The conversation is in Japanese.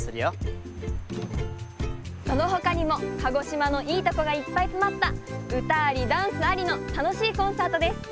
そのほかにも鹿児島のいいとこがいっぱいつまったうたありダンスありのたのしいコンサートです。